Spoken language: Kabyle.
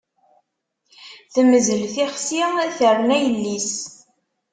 Temzel tixsi, terna yelli-s.